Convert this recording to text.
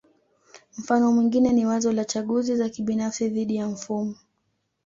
Mfano mwingine ni wazo la chaguzi za kibinafsi dhidi ya mfumo